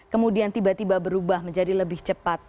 kemudian tiba tiba berubah menjadi lebih cepat